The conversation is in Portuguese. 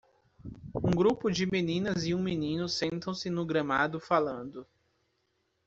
Um grupo de meninas e um menino sentam-se no gramado falando.